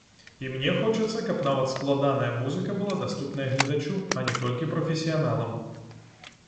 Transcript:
І мне хочацца, каб нават складаная музыка была даступная гледачу, а не толькі прафесіяналам.